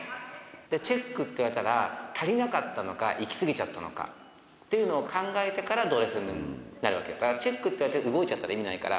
チェックって言われたら、足りなかったのか、行き過ぎちゃったのかっていうのを考えてから、ドレスになるわけよ、だからチェックって言われて、動いちゃったら意味ないから。